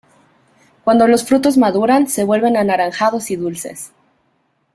Cuando los frutos maduran se vuelven anaranjados y dulces.